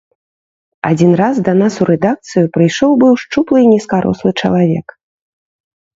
Адзін раз да нас у рэдакцыю прыйшоў быў шчуплы і нізкарослы чалавек.